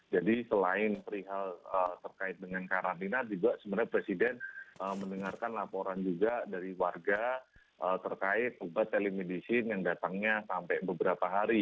jadi selain perihal terkait dengan karantina juga sebenarnya presiden mendengarkan laporan juga dari warga terkait obat telemedicine yang datangnya sampai beberapa hari